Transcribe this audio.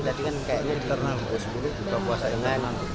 tadi kan kayaknya dikerenang